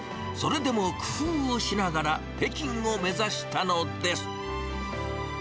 それでも工夫をしながら、北京を目指したのです。